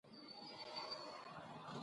اقلیم د افغانستان د اقتصاد برخه ده.